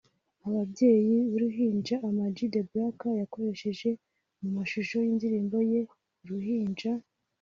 Ababyeyi b’uruhinja Ama G The Black yakoresheje mu mashusho y’indirimbo ye uruhinja